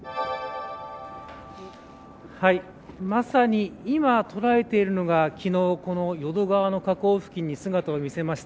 まさに、今捉えているのが昨日、この淀川の河口付近に姿を見せました。